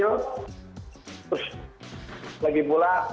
terus lagi pula